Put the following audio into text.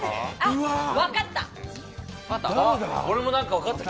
わかった！